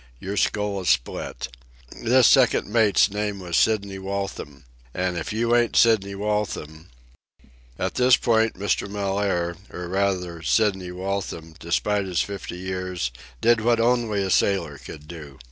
Your skull is split. This second mate's name was Sidney Waltham. And if you ain't Sidney Waltham ..." At this point Mr. Mellaire, or, rather, Sidney Waltham, despite his fifty years, did what only a sailor could do.